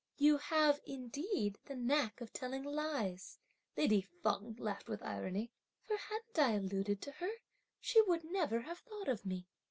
"You have, indeed, the knack of telling lies!" lady Feng laughed with irony; "for hadn't I alluded to her, she would never have thought of me!"